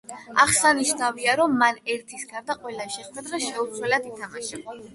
აღსანიშნავია, რომ მან ერთის გარდა, ყველა ეს შეხვედრა შეუცვლელად ითამაშა.